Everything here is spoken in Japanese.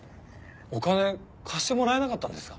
お金貸してもらえなかったんですか？